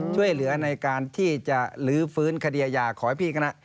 ช่วยเหลือในการที่จะหลือฟื้นคดียาขอยพิจาระ